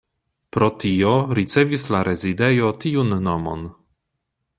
Pro tio ricevis la rezidejo tiun nomon.